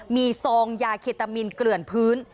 มีซองยาเคตามีนเกลื่อนพื้น